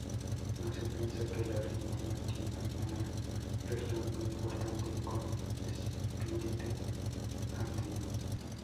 No se piensa que la Argentina tiene una región muy importante con espíritu andino.